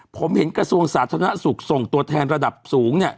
ผมเห็นกระทรวงสาธารณสุขส่งตัวแทนระดับสูงเนี่ย